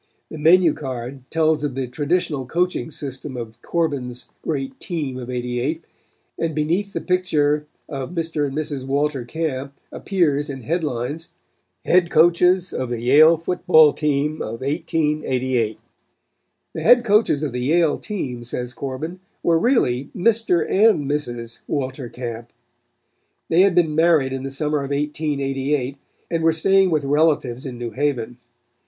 The menu card tells of the traditional coaching system of Corbin's great team of '88 and beneath the picture of Mr. and Mrs. Walter Camp appears in headlines: "HEAD COACHES OF THE YALE FOOTBALL TEAM OF 1888" "The head coaches of the Yale team," says Corbin, "were really Mr. and Mrs. Walter Camp. They had been married in the summer of 1888 and were staying with relatives in New Haven.